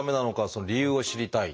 その理由を知りたい。